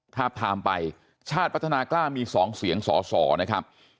ทาบทามไปชาติพัฒนากล้ามี๒เสียงสอสอนะครับ